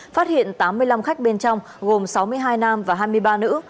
phát hiện tám mươi năm khách bên trong gồm sáu mươi hai nam và hai mươi ba nữ